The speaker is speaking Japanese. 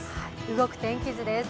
動く天気図です。